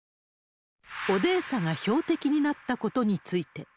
オデーサが標的になったことについて。